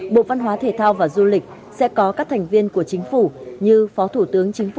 bộ văn hóa thể thao và du lịch sẽ có các thành viên của chính phủ như phó thủ tướng chính phủ